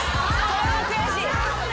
それは悔しい。